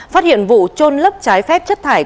phát hiện vụ trôn lấp trái phép chất thải